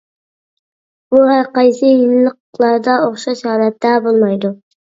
بۇ ھەر قايسى يىللىقلاردا ئوخشاش ھالەتتە بولمايدۇ.